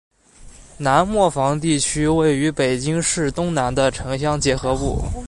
南磨房地区位于北京市东南的城乡结合部。